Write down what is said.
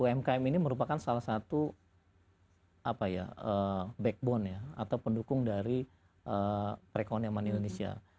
umkm ini merupakan salah satu backbone atau pendukung dari rekon eman indonesia